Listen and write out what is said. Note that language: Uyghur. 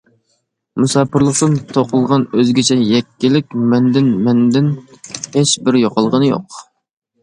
مۇساپىرلىقتىن توقۇلغان ئۆزگىچە يەككىلىك مەندىن مەندىن ھېچ بىر يوقالغىنى يوق.